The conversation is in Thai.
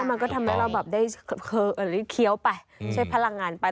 มันก็ทำให้เราแบบได้เคี้ยวไปใช้พลังงานไป